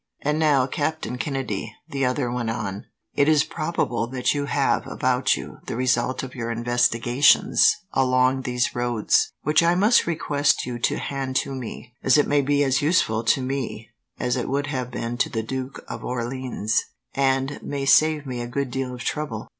"And now, Captain Kennedy," the other went on, "it is probable that you have, about you, the result of your investigations along these roads, which I must request you to hand to me; as it may be as useful, to me, as it would have been to the Duke of Orleans, and may save me a good deal of trouble."